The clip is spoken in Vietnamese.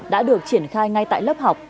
đã được triển khai ngay tại lớp học